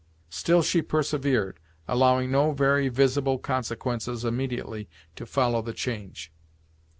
Still she persevered, allowing no very visible consequences immediately to follow the change.